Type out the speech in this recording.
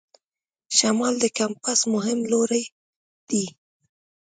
شمال د کمپاس مهم لوری دی.